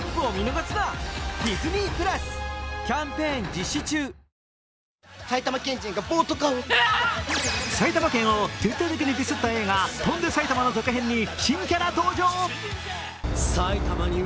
一方の長谷川さんは埼玉県を徹底的にディスった映画、「翔んで埼玉」の続編に新キャラ登場！